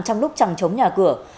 trong lúc chẳng chống nhà cửa